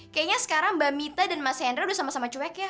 kayaknya sekarang mbak mita dan mas hendra udah sama sama cuek ya